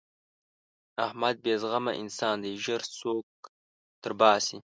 احمد بې زغمه انسان دی؛ ژر سوک تر باسي.